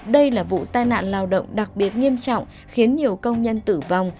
đây là vụ tai nạn lao động đặc biệt nghiêm trọng khiến nhiều công nhân tử vong